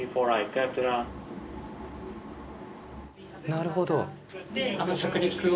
なるほど。